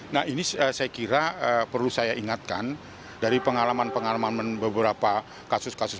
nah ini saya kira perlu saya ingatkan dari pengalaman pengalaman beberapa kasus kasus